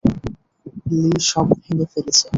লি সব ভেঙে ফেলেছে!